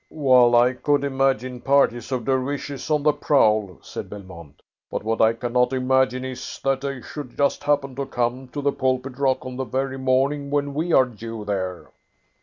"Well, I could imagine parties of Dervishes on the prowl," said Belmont. "But what I cannot imagine is that they should just happen to come to the pulpit rock on the very morning when we are due there."